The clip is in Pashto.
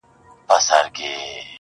زوی یې زور کاوه پر لور د تورو غرونو.!